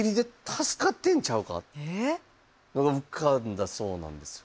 浮かんだそうなんですよ。